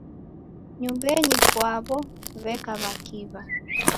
Nyumbenyi pwaw'o w'eka w'akiw'a.